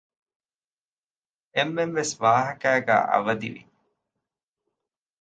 އެންމެންވެސް އެވާހަކައިގައި އަވަދިވި